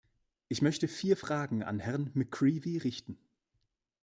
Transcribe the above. Ich möchte vier Fragen an Herrn McCreevy richten.